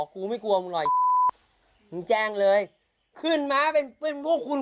กูไม่กลัวมึงหน่อยมึงแจ้งเลยขึ้นมาเป็นปืนพวกคุณ